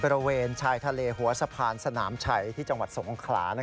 บริเวณชายทะเลหัวสะพานสนามชัยที่จังหวัดสงขลา